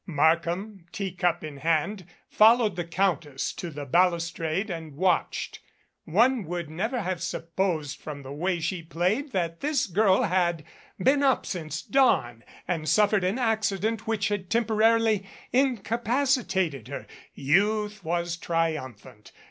Markham, teacup in hand, followed the Countess to the balustrade and watched. One would never have sup 64 "WAKE ROBIN" posed from the way she played that this girl had been up since dawn and suffered an accident which had tempo rarily incapacitated her. Youth was triumphant.